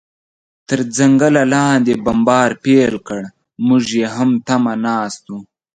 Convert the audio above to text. تر ځنګله لاندې بمبار پیل کړ، موږ یې هم تمه ناست و.